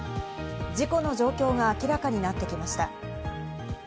事故の状況が明らかになってきました。